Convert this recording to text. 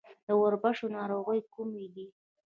د وربشو ناروغۍ کومې دي؟